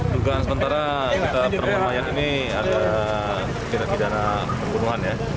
dugaan sementara kita penemuan mayat ini ada tidak tidak pembunuhan ya